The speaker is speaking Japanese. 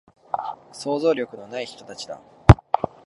想像力のない人たちだ